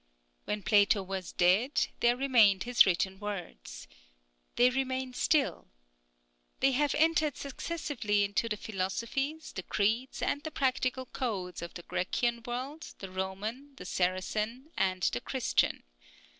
When Plato was dead, there remained his written words. They remain still. They have entered successively into the philosophies, the creeds, and the practical codes, of the Grecian world, the Roman, the Saracen, and the Christian.